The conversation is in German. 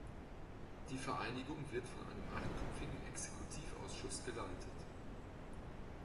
Die Vereinigung wird von einem achtköpfigen Exekutivausschuss geleitet.